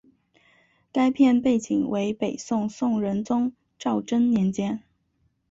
该片背景为北宋宋仁宗赵祯年间。